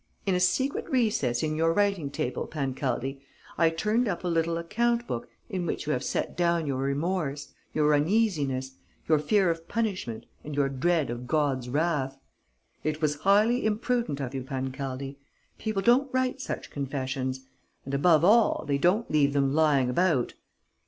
In a secret recess in your writing table, Pancaldi, I turned up a little account book in which you have set down your remorse, your uneasiness, your fear of punishment and your dread of God's wrath.... It was highly imprudent of you, Pancaldi! People don't write such confessions! And, above all, they don't leave them lying about!